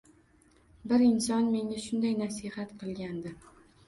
Bir inson menga shunday nasihat qilgandi